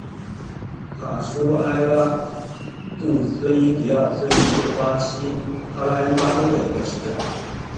卡舒埃拉杜斯因迪奥斯是巴西帕拉伊巴州的一个市镇。